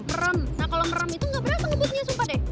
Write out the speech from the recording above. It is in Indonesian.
merem nah kalau merem itu gak berasa ngebutnya sumpah deh